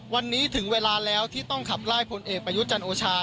วันนี้ถึงเวลาที่เราต้องขับใล่คนเอกปรายุทธ์จันโอชา